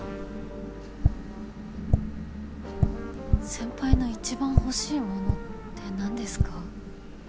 先輩の一番欲しいものって何ですか？